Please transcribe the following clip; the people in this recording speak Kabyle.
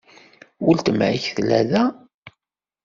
Weltma-k tella da?